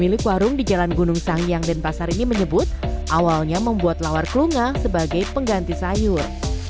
milik warung di jalan gunung sangiang dan pasar ini menyebut awalnya membuat lawar kelungah sebagai pengganti sayur